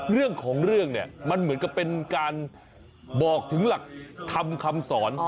เรื่องของเรื่องเนี่ยมันเหมือนกับเป็นการบอกถึงหลักธรรมคำสอน